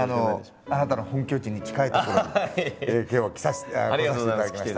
あなたの本拠地に近い所に今日は来させていただきまして。